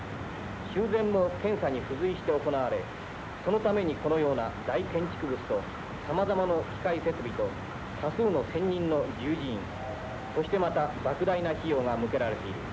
修繕も検査に付随して行われそのためにこのような大建築物とさまざまの機械設備と多数の専任の従事員そしてまたばく大な費用が向けられている